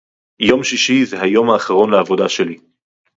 יום שישי זה היום האחרון לעבודה שלי.